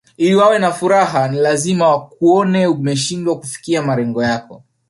Ili wawe na furaha ni lazina wakuone umeshindwa kufikia malengi yako